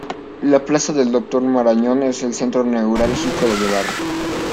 La plaza del Doctor Marañón es el centro neurálgico del barrio.